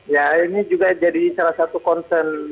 ya ini juga jadi salah satu concern